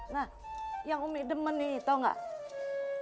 nah yang umi demen nih tau gak